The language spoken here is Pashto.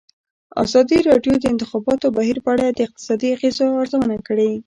ازادي راډیو د د انتخاباتو بهیر په اړه د اقتصادي اغېزو ارزونه کړې.